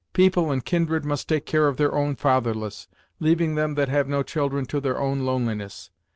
People and kindred must take care of their own fatherless, leaving them that have no children to their own loneliness.